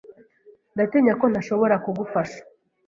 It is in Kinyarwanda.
Ndatinya ko ntashobora kugufasha.